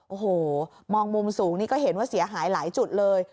โอ้โหมองมุมสูงนี่ก็เห็นว่าเสียหายหลายจุดเลย